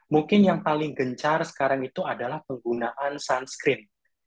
mungkin yang paling gencar sekarang itu adalah penggunaan sunscreen